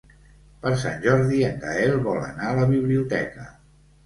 Per Sant Jordi en Gaël vol anar a la biblioteca.